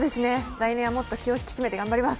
来年はもっと気を引き締めて頑張ります。